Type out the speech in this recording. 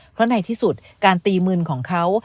เพราะในที่สุดการตีมึนของเขา